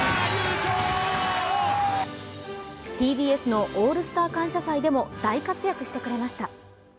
ＴＢＳの「オールスター感謝祭」でも大活躍してくれました。